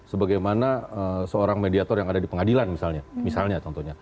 sebagaimana seorang mediator yang ada di pengadilan misalnya contohnya